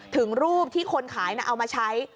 ถึงรูปที่คนขายเอามาใช้